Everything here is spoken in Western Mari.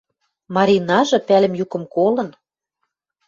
Маринажы, пӓлӹм юкым колын